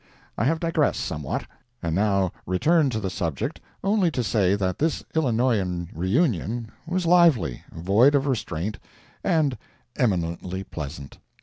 I have digressed somewhat, and now return to the subject only to say that this Illinoisan reunion was lively, void of restraint, and eminently pleasant.